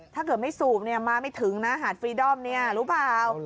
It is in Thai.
ถ้าเกิดไม่สูบมาไม่ถึงนะหาดฟรีดอมเนี่ยรู้เปล่า